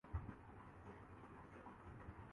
ہم جادو یا معجزے کے منتظر ہیں۔